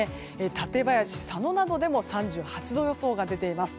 館林、佐野などでも３８度予想が出ています。